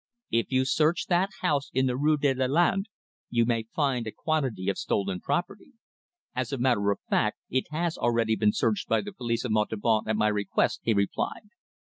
If you search that house in the Rue de Lalande you might find a quantity of stolen property." "As a matter of fact, it has already been searched by the police of Montauban at my request," he replied.